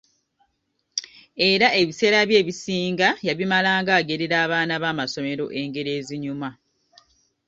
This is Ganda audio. Era ebiseera bye ebisinga yabimalanga agerera abaana b'amasomero engero ezinyuma.